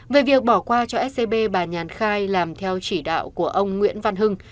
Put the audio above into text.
về việc bỏ qua cho scb bà nhàn khai làm theo chỉ đạo của ông nguyễn văn hưng